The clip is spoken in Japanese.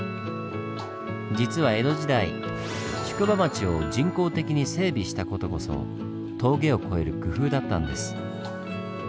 実は江戸時代宿場町を人工的に整備した事こそ峠を越える工夫だったんです。